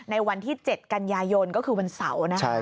วันที่๗กันยายนก็คือวันเสาร์นะ